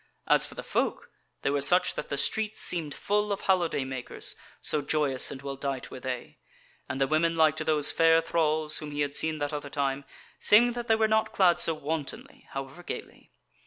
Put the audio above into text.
As for the folk, they were such that the streets seemed full of holiday makers, so joyous and well dight were they; and the women like to those fair thralls whom he had seen that other time, saving that they were not clad so wantonly, however gaily.